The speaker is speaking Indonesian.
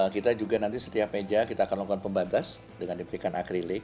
kita juga nanti setiap meja kita akan lakukan pembatas dengan diberikan akrilik